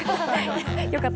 よかった。